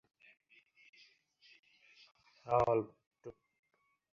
কাজটি শেষ করতে আরও দুই দিন লেগে যাবে।